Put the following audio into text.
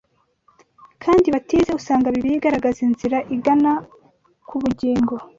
kandi batize usanga Bibiliya igaragaza inzira igana ku bugingo